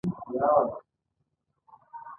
هغوی د صرب ځمکې او بیرغ ته درناوی لري.